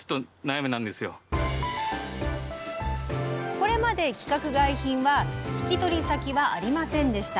これまで規格外品は引き取り先はありませんでした。